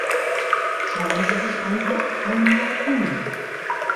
Schauen Sie sich einfach einmal um.